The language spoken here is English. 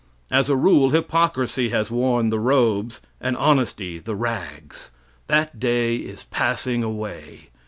As a rule, hypocrisy has worn the robes, and honesty the rags. That day is passing away.